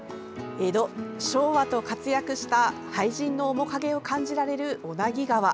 江戸、昭和と活躍した俳人の面影を感じられる小名木川。